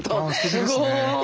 すごい！